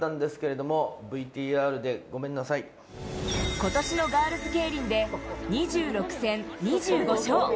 今年のガールズケイリンで２６戦２５勝。